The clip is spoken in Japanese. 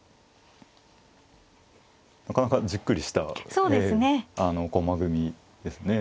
なかなかじっくりした駒組みですね。